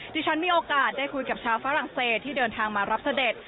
ที่ฉันมีโอกาสได้คุยกับชาวฝรั่งเศสที่เดินทางมารับเสด็จ